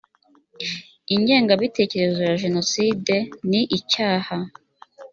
ingengabitekerezo ya jenoside ni icyaha